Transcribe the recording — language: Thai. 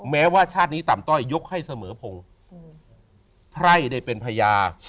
แม้ว่าชาตินี้ต่ำต้อยยกให้เสมอพงศ์ไพร่ได้เป็นพญา